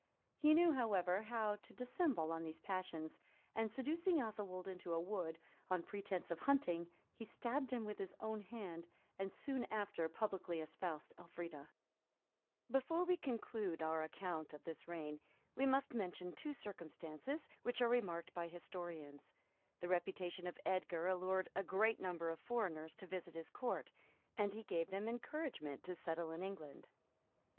He knew, however, how to dissemble these passions; and seducing Athelwold into a wood, on pretence of hunting, he stabbed him with his own hand, and soon after publicly espoused Elfrida.[*] [* W. Malms, lib. ii. cap. 8. Hoveden, p. 426. Brompton, p. 865, 866. Flor. Wigorn. p. 606. Higden, p. 268.] Before we conclude our account of this reign, we must mention two circumstances, which are remarked by historians. The reputation of Edgar allured a great number of foreigners to visit his court; and he gave them encouragement to settle in England.